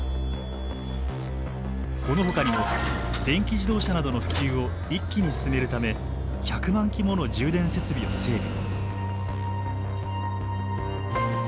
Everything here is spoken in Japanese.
このほかにも電気自動車などの普及を一気に進めるため１００万基もの充電設備を整備。